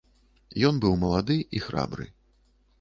Ён быў малады і храбры.